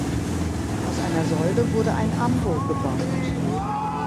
Aus einer Säule wurde ein Ambo gebaut.